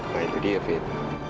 nah itu dia fit